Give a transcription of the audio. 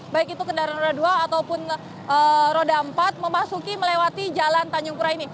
baik itu kendaraan roda dua ataupun roda empat memasuki melewati jalan tanjung pura ini